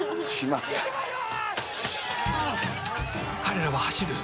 「彼等は走る。